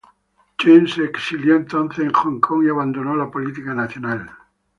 Chen se exilió entonces en Hong Kong y abandonó la política nacional.